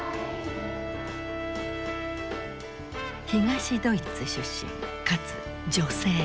東ドイツ出身かつ女性。